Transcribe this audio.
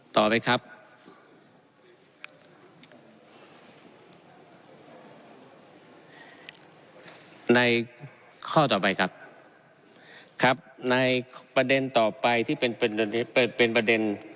ต่อไปครับในข้อต่อไปครับครับในประเด็นต่อไปที่เป็นประเด็นเป็นประเด็น